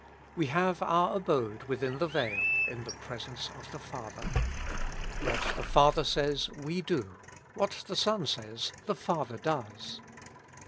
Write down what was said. We have our abode within the veil, in the presence of the Father. What the Father says, we do ; what the Son says, the Father does.